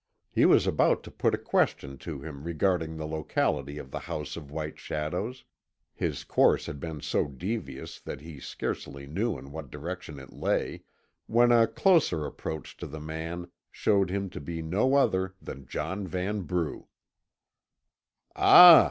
He was about to put a question to him respecting the locality of the House of White Shadows his course had been so devious that he scarcely knew in what direction it lay when a closer approach to the man showed him to be no other than John Vanbrugh. "Ah!"